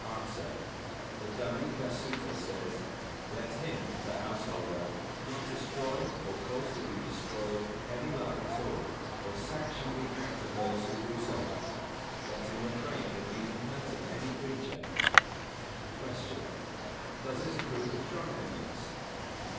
_ A. The Dhammika Sutta says: "Let him (the householder) not destroy, or cause to be destroyed, any life at all, or sanction the act of those who do so. Let him refrain from even hurting any creature." 203. Q. _Does it approve of drunkenness?